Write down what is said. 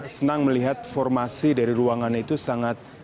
dan kami senang melihat formasi dari ruangan itu sangat berkembang